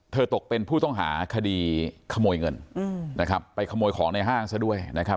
ตกเป็นผู้ต้องหาคดีขโมยเงินนะครับไปขโมยของในห้างซะด้วยนะครับ